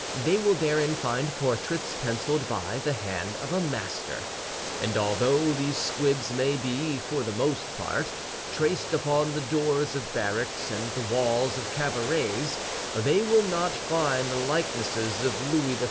They will therein find portraits penciled by the hand of a master; and although these squibs may be, for the most part, traced upon the doors of barracks and the walls of cabarets, they will not find the likenesses of Louis XIII.